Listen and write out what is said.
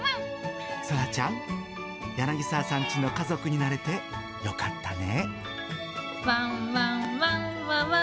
宙ちゃん、柳沢さんちの家族になれてよかったね。